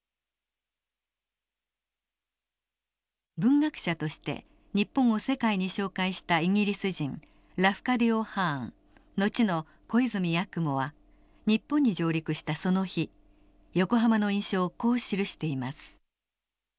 文学者として日本を世界に紹介したイギリス人ラフカディオ・ハーン後の小泉八雲は日本に上陸したその日横浜の印象をこう記しています。